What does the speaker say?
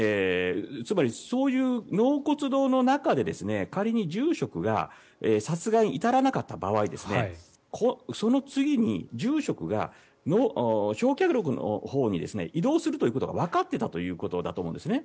つまり、そういう納骨堂の中で仮に住職が殺害に至らなかった場合その次に住職が焼却炉のほうに移動するということがわかっていたということだと思うんですね。